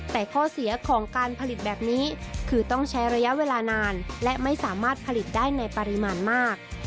แต่ข้อเสียของการผลิตแบบนี้คือต้องใช้ระยะเวลานานและไม่สามารถผลิตได้ในปริมาณมาก